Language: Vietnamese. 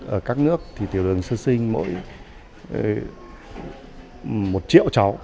ở các nước thì tiểu đường sơ sinh mỗi một triệu cháu